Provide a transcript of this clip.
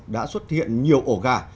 đã xuất hiện nhiều ổ gà